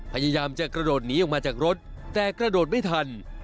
พยายามจะกระโดดหนีออกมาจากรถแต่กระโดดไม่ทัน